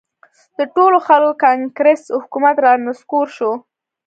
د ټولو خلکو کانګرس حکومت را نسکور شو.